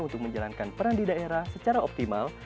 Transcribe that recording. untuk menjalankan peran di daerah secara optimal